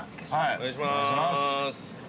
◆お願いしまーす。